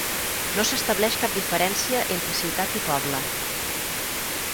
No s'estableix cap diferència entre ciutat i poble.